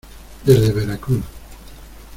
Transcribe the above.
desde Veracruz.